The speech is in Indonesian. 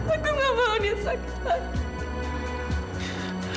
aku gak mau dia sakit lagi